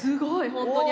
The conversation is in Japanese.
本当に。